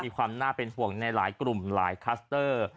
ความน่าเป็นห่วงในหลายกลุ่มหลายคลัสเตอร์